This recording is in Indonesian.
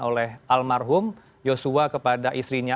oleh almarhum yosua kepada istrinya